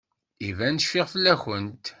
Iban cfiɣ fell-akent.